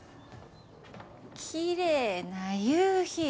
きれいな夕日